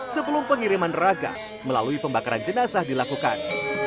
sebelum pengiriman raga melalui pembakaran jenazah dilakukan